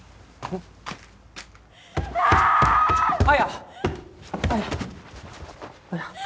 綾！